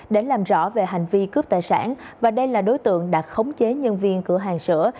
để làm rõ về hành vi cướp tài sản và đây là đối tượng đã khống chế nhân viên cửa hàng sữa